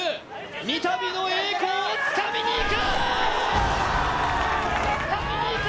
３度の栄光をつかみに行く。